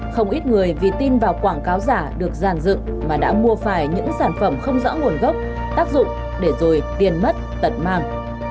không ít người vì tin vào quảng cáo giả được giàn dựng mà đã mua phải những sản phẩm không rõ nguồn gốc tác dụng để rồi tiền mất tật mang